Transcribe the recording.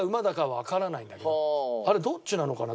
あれどっちなのかな？